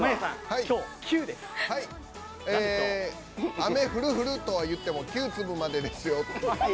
雨降る降るとはいっても９粒までですよ。